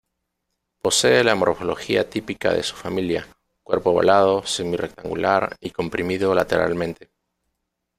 Posee la morfología típica de su familia, cuerpo ovalado, semi-rectangular, y comprimido lateralmente.